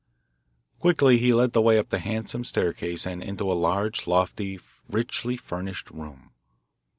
Quickly he led the way up the handsome staircase and into a large, lofty, richly furnished room.